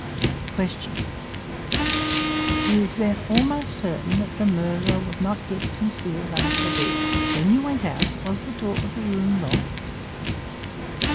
"Q. It is, then, almost certain that the murderer was not yet concealed under the bed. When you went out, was the door of the room locked?